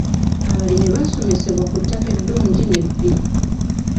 Abalimi baasomesebwa ku ttaka eddungi n'ebbi.